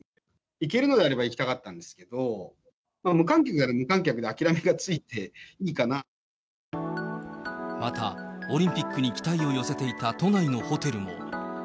行けるのであれば行きたかったんですけど、無観客なら無観客であまた、オリンピックに期待を寄せていた都内のホテルも。